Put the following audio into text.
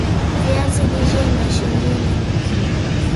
viazi lishe mashineni